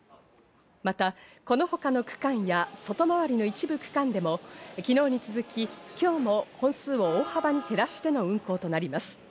また、この他の区間や、外回りの一部区間でも昨日に続き今日も本数を大幅に減らしての運行となります。